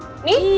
tuh tuh tuh